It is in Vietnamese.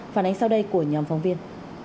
phản ánh sau đây của nhóm phóng viên